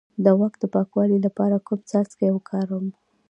د غوږ د پاکوالي لپاره کوم څاڅکي وکاروم؟